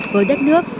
với đất nước